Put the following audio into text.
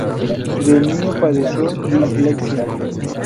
De niño, padeció dislexia.